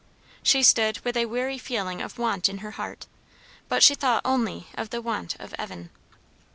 She stood with a weary feeling of want in her heart; but she thought only of the want of Evan.